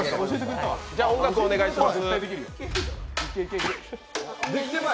音楽お願いします。